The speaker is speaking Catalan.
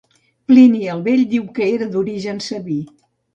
Plini el Vell diu que era d'origen sabí.